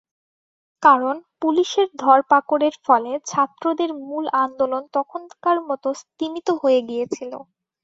কারণ, পুলিশের ধরপাকড়ের ফলে ছাত্রদের মূল আন্দোলন তখনকার মতো স্তিমিত হয়ে গিয়েছিল।